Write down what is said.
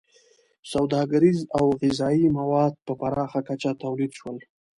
• سوداګریز او غذایي مواد په پراخه کچه تولید شول.